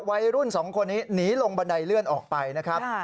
วัยรุ่น๒คนนี้หนีลงบันไดเลื่อนออกไปนะครับ